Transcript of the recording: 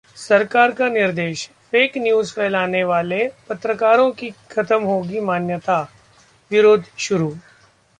सरकार का निर्देश, 'फेक न्यूज' फैलाने वाले पत्रकारों की खत्म होगी मान्यता, विरोध शुरू